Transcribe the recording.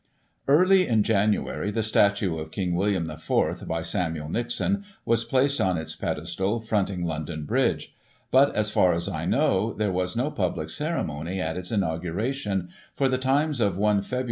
'* Early in January the statue of King William IV., by Samuel Nixon, was placed on its pedestal, fronting London Bridge ; but, as far as I know, there was no public ceremony at its inauguration, for the Times of i Feb.